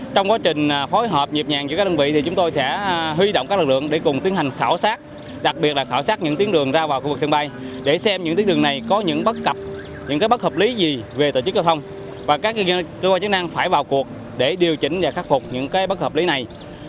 trong quá trình phối hợp nhịp nhàng giữa các đơn vị thì chúng tôi sẽ huy động các lực lượng để cùng tiến hành khảo sát đặc biệt là khảo sát những tiến đường ra vào khu vực sân bay để xem những tuyến đường này có những bất cập những bất hợp lý gì về tổ chức giao thông và các cơ quan chức năng phải vào cuộc để điều chỉnh và khắc phục những bất hợp lý này